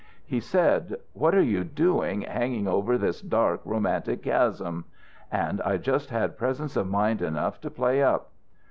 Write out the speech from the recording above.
"He said, 'What are you doing, hanging over this dark, romantic chasm?' And I just had presence of mind enough to play up.